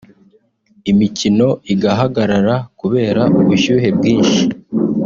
imikino igahagarara kubera ubushyuhe bwinshi